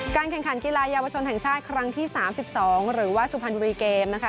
แข่งขันกีฬาเยาวชนแห่งชาติครั้งที่๓๒หรือว่าสุพรรณบุรีเกมนะคะ